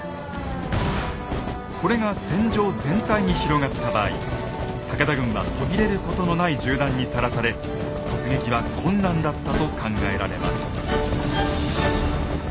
これが戦場全体に広がった場合武田軍は途切れることのない銃弾にさらされ突撃は困難だったと考えられます。